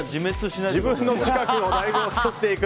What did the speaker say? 自分の近くをだいぶ落としていく。